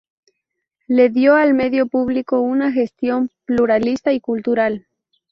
Le dio al medio publicó una gestión pluralista y cultural.